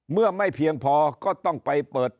เมื่อไม่เพียงพอก็ต้องไปเปิด